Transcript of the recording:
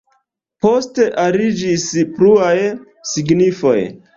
Poste aliĝis pluaj signifoj.